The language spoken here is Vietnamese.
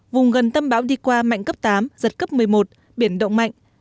vùng gần tâm bão đi qua mạnh cấp tám giật cấp một mươi một biển động mạnh